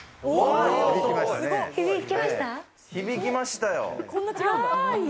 響きましたね。